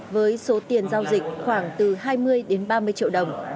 với số tiền giao dịch khoảng từ hai mươi đến ba mươi triệu đồng